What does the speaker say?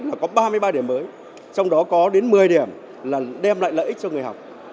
và có ba mươi ba điểm mới trong đó có đến một mươi điểm là đem lại lợi ích cho người học